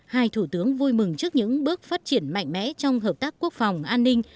hai thủ tướng vui mừng trước những bước phát triển mạnh mẽ trong hợp tác quốc phòng an ninh